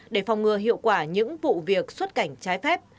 để phòng ngừa hiệu quả những vụ việc xuất cảnh trái phép